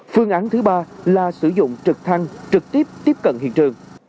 phương án thứ ba là sử dụng trực thăng trực tiếp tiếp cận hiện trường